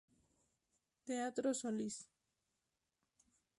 Teatro Solís.